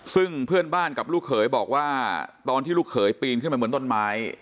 ซึ่งเพื่อนบ้านกับลูกเขยบอกว่าตอนที่ลูกเขยปีนขึ้นไปบนต้นไม้